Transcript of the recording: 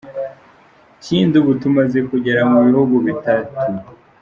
Ikindi ubu tumaze kugera mu bihugu bitatu.